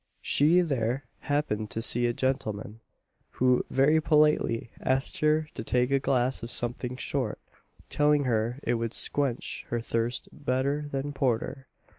She there happened to see a gentleman, who very politely asked her to take a glass of something short; telling her it would squench her thirst better than porter.